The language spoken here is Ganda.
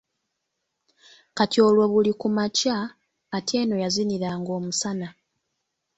Kati olwo buli kumakya, Atieno yazinira nga omusana.